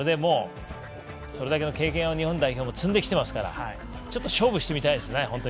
それだけの経験を日本代表も積んできてますからちょっと勝負してみたいですね。